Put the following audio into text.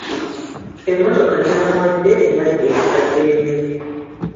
Emmotoka gy'amuwadde ebadde nkadde nnyo.